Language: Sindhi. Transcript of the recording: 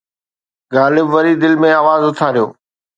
غالب وري دل ۾ آواز اٿاريو